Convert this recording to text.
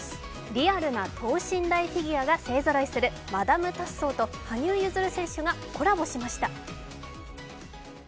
リアルな等身大フィギュアが勢ぞろいするマダム・タッソーと羽生結弦選手がコラボしました。